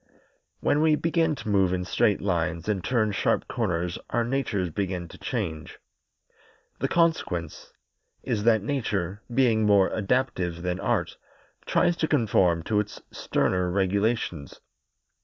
When we begin to move in straight lines and turn sharp corners our natures begin to change. The consequence is that Nature, being more adaptive than Art, tries to conform to its sterner regulations.